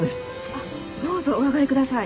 あっどうぞお上がりください。